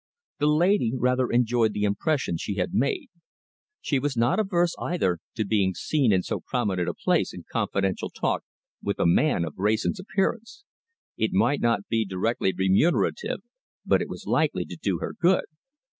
The lady rather enjoyed the impression she had made. She was not averse, either, to being seen in so prominent a place in confidential talk with a man of Wrayson's appearance. It might not be directly remunerative, but it was likely to do her good.